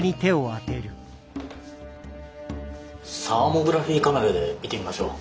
サーモグラフィーカメラで見てみましょう。